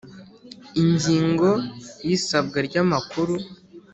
Ingingo ya Isabwa ry amakuru